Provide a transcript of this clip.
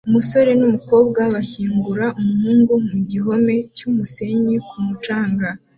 Umusore n'umukobwa bashyingura umuhungu mu gihome cyumusenyi ku mucanga